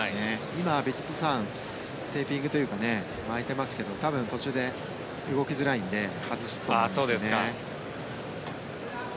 今、ヴィチットサーンテーピングというか巻いてますが多分途中で動きづらいので外すと思いますね。